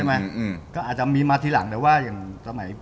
อาจจะมีมาดีที่หลังแต่ว่า